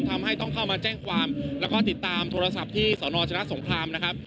ทำให้ต้องเข้ามาแจ้งความแล้วก็ติดตามโทรศัพท์ที่สนชนะสงครามนะครับ